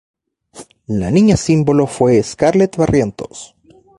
La niña símbolo fue Scarlett Barrientos.